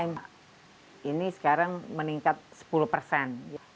ini sekarang meningkat sepuluh persen